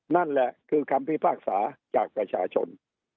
นั่นแหละคือคำพิพากษาจากประชาชน